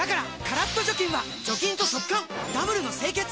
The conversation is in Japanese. カラッと除菌は除菌と速乾ダブルの清潔！